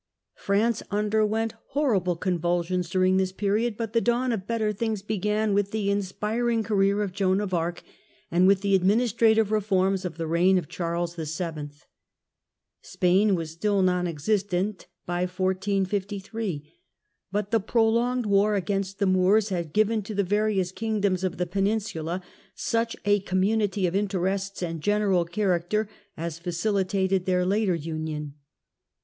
France underwent horrible convulsions during this period ; but the dawn of better things began with the inspiring career of Joan of Arc and with the administrative reforms of the reign of Charles VII. Spain was still non existent by 1453 ; but the prolonged war against the Moors had given to the various kingdoms of the penin sula such a community of interests and general character as facilitated their later union.